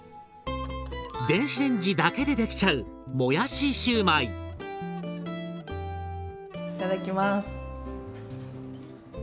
電子レンジだけでできちゃういただきます。